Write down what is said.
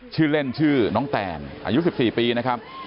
ชื่อเล่นชื่อน้องแตนอายุ๑๔ปีนะครับ